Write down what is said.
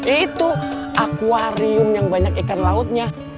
itu akwarium yang banyak ikan lautnya